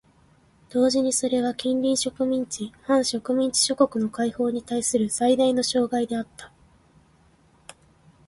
同時にそれは近隣植民地・半植民地諸国の解放にたいする最大の障害であった。